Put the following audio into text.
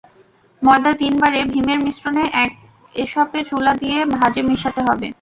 ময়দা তিন বারে ডিমের মিশ্রণে এসপে চুলা দিয়ে ভাঁজে মিশাতে হবে।